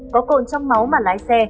có cồn trong máu mà lái xe